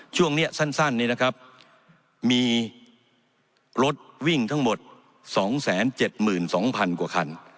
ช่วงนี้สั้นมีรถวิ่งทั้งหมด๒๗๒๐๐๐กว่าคัน